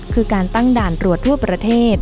คือการตั้งด่านตรวจทั่วประเทศ